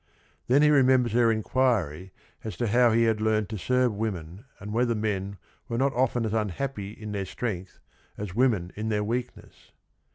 Then he remembers her inquiry as to how he had learned to serve women and whether men were not often as unhappy in their strength as women in their weakness.